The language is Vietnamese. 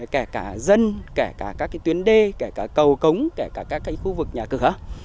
kể cả dân kể cả các tuyến đê kể cả cầu cống kể cả các khu vực nhà cửa